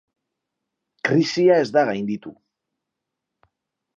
Krisia ez da gainditu.